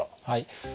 はい。